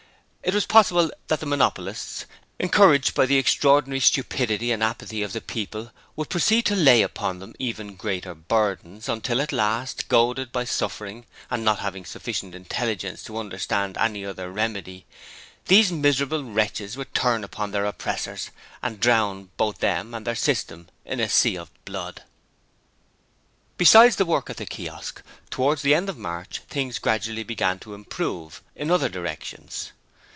It was possible that the monopolists, encouraged by the extraordinary stupidity and apathy of the people would proceed to lay upon them even greater burdens, until at last, goaded by suffering, and not having sufficient intelligence to understand any other remedy, these miserable wretches would turn upon their oppressors and drown both them and their System in a sea of blood. Besides the work at the Kiosk, towards the end of March things gradually began to improve in other directions.